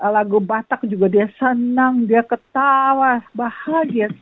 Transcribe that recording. lagu batak juga dia senang dia ketawa bahagia